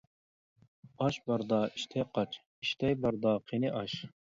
ئاش باردا ئىشتەي قاچ، ئىشتە باردا قېنى ئاش.